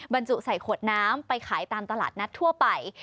บรรจุใส่ขวดน้ำไปขายตามตลาดนัดทั่วไป